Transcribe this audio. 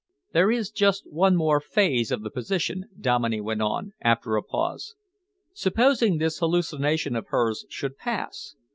"There is just one more phase of the position," Dominey went on, after a pause. "Supposing this hallucination of hers should pass?